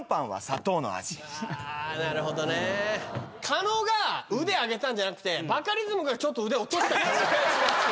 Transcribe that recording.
狩野が腕上げたんじゃなくてバカリズムがちょっと腕落とした。